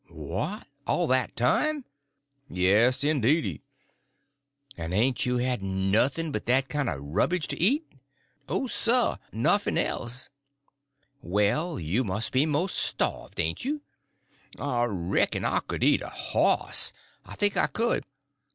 "What, all that time?" "Yes—indeedy." "And ain't you had nothing but that kind of rubbage to eat?" "No, sah—nuffn else." "Well, you must be most starved, ain't you?" "I reck'n I could eat a hoss. I think I could.